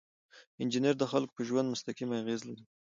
انجینر د خلکو په ژوند مستقیمه اغیزه لري.